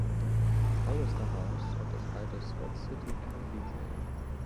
Forrester House und das alte Scott City County Jail.